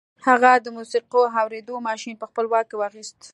هغه د موسیقي اورېدو ماشين په خپل واک کې واخیست